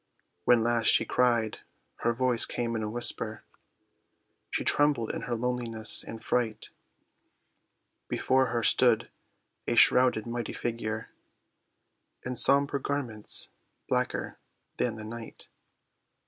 When last she cried her voice came in a whisper, She trembled in her loneliness and fright; Before her stood a shrouded, mighty figure, In sombre garments blacker than the night.